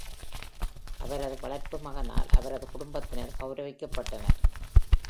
அவரது வளர்ப்பு மகனால் அவரது குடும்பத்தினர் கௌரவிக்கப்பட்டனர்.